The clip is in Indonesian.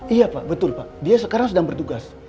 iya pak betul pak dia sekarang sedang bertugas